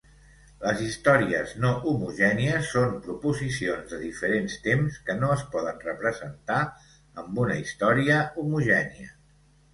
Les "històries no homogènies" són proposicions de diferents temps que no es poden representar amb una història homogènia.